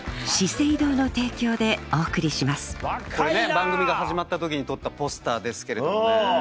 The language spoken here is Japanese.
番組が始まった時に撮ったポスターですけれどもね。